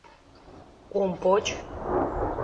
Ом поч!